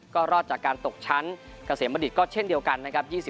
ก็รอดจากการตกชั้นเกษมบัณฑิตก็เช่นเดียวกันนะครับ